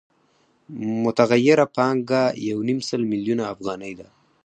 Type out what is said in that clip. متغیره پانګه یو نیم سل میلیونه افغانۍ ده